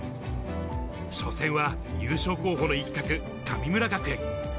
初戦は優勝候補の一角、神村学園。